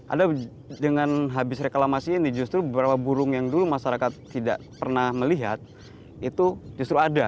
ada dengan habis reklamasi ini justru beberapa burung yang dulu masyarakat tidak pernah melihat itu justru ada